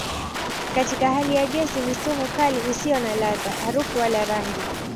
Katika hali ya gesi ni sumu kali isiyo na ladha, harufu wala rangi.